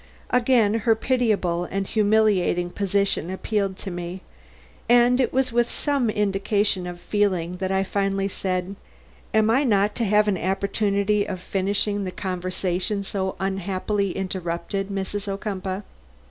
Again her pitiable and humiliating position appealed to me, and it was with some indication of feeling that I finally said: "Am I not to have an opportunity of finishing the conversation so unhappily interrupted, Mrs. Ocumpaugh?